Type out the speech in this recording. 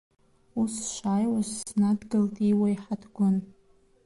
Ус сшааиуаз снадгылт Иуа иҳаҭгәын.